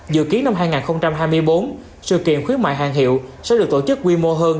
dự kiến năm hai nghìn hai mươi bốn sự kiện khuyến mại hàng hiệu sẽ được tổ chức quy mô hơn